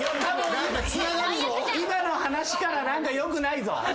今の話からよくないぞ。